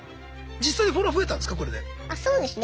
実際にフォロワー増えたんですか？